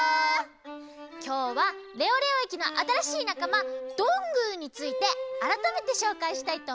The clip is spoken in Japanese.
きょうはレオレオ駅のあたらしいなかまどんぐーについてあらためてしょうかいしたいとおもいます。